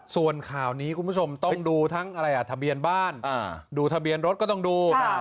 ส่วนข่าวนี้คุณผู้ชมต้องดูทั้งอะไรอ่ะทะเบียนบ้านดูทะเบียนรถก็ต้องดู